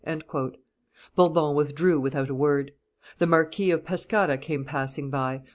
Bourbon withdrew without a word. The Marquis of Pescara came passing by.